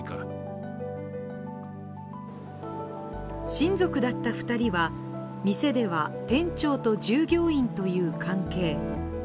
親族だった２人は店では店長と従業員という関係。